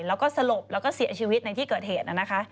แล้วก็สลบแล้วก็เสียชีวิตในที่เกิดเหตุนะคะ